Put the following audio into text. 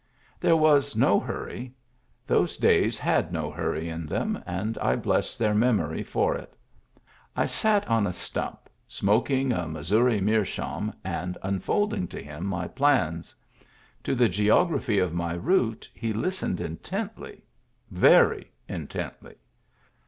There was no hurry ; those days had no hurry in them, and I bless their memory for it. I sat on a stump, smoking a " Missouri meerschaum," and unfolding to him my plans. To the geog raphy of my route he listened intently — very in tently.